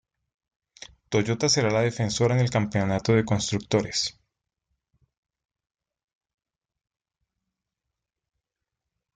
Toyota será la defensora en el campeonato de constructores.